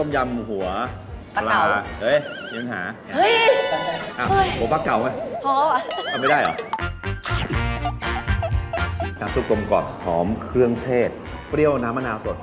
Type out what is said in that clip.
น้ำซุปต้มกอดหอมเครื่องเทศซวยเตี้ยวน้ำมะน้าสด